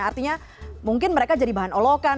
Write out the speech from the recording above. artinya mungkin mereka jadi bahan olokan